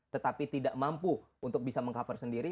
tetapi tidak mampu untuk bisa meng cover sendiri